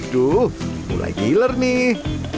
duh mulai giler nih